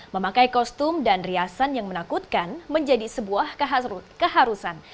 memakai kostum dan riasan yang menakutkan menjadi sebuah keharusan